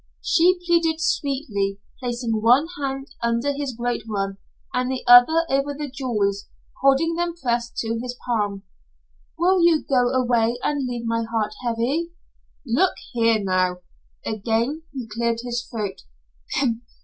She pleaded sweetly, placing one hand under his great one, and the other over the jewels, holding them pressed to his palm. "Will you go away and leave my heart heavy?" "Look here, now " Again he cleared his throat.